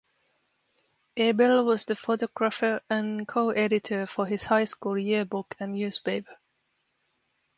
Abell was the photographer and co-editor for his high school yearbook and newspaper.